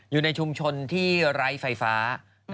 อยู่ในชุมชนที่ไร้ไฟฟ้า